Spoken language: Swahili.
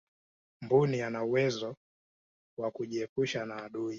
mbuni ana uwezo wa kujiepusha na adui